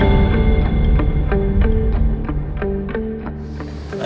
tidak bisa pak tidak bisa pak